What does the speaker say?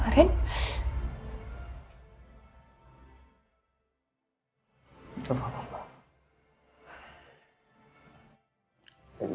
ren kamu gak apa apa ren